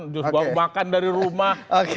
justru bawa makan dari rumah oke